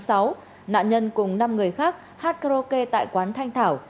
nạn nhân cùng năm người khác hát karaoke tại quán thanh thảo